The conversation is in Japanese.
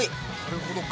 なるほど。